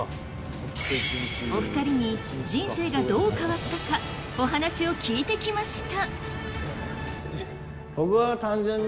お二人に、人生がどう変わったかお話を聞いてきました！